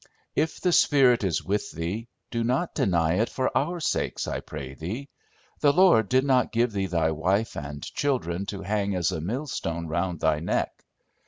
If the Spirit is with thee, do not deny it for our sakes, I pray thee. The Lord did not give thee thy wife and children to hang as a millstone round thy neck.